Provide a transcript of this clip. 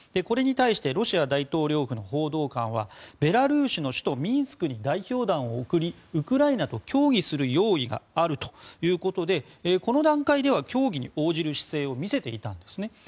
これに対してロシア大統領府の報道官はベラルーシの首都ミンスクに代表団を送りウクライナと協議する用意があるということでこの段階では協議に応じる姿勢を見せていたんですね。